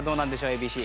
ＡＢＣ。